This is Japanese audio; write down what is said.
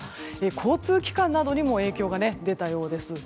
交通機関などにも影響が出たようです。